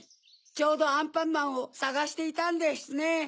ちょうどアンパンマンをさがしていたんですね。